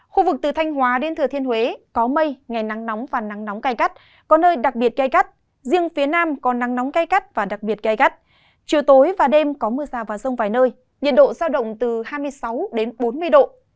khu vực từ thanh hóa đến thừa thiên huế có mây ngày nắng nóng và nắng nóng cây cát có nơi đặc biệt cây cát riêng phía nam có nắng nóng cây cát và đặc biệt cây cát chiều tối và đêm có mưa rào và rông vài nơi nhiệt độ giao động từ hai mươi sáu đến bốn mươi độ